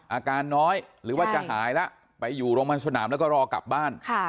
อาการน้อยหรือว่าจะหายแล้วไปอยู่โรงพยาบาลสนามแล้วก็รอกลับบ้าน